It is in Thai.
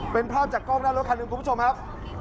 เป็นภาพจากกล้องหน้ารถคันหนึ่งคุณผู้ชมครับ